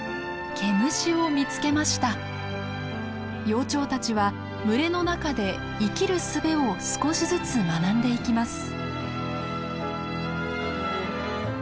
幼鳥たちは群れの中で生きるすべを少しずつ学んでいきます。